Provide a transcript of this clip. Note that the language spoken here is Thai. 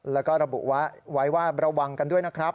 แล้วก็ระบุไว้ว่าระวังกันด้วยนะครับ